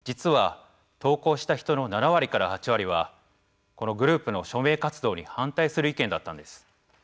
これを詳しく分析してみたんですが実は、投稿した人の７割から８割はこのグループの署名活動に反対する意見だったんです。